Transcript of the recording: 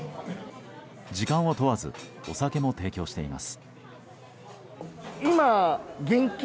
時間を問わずお酒も提供しています。